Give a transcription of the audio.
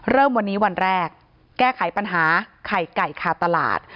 เริ่มวันนี้วันแรกแก้ไขปัญหาไข่ไก่คาตลาด